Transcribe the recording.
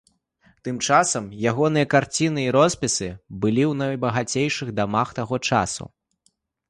Тым часам, ягоныя карціны і роспісы былі ў найбагацейшых дамах таго часу.